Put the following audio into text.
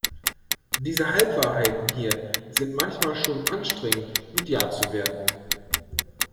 Diese Halbwahrheiten hier sind manchmal schon anstrengend mit ja zu werten.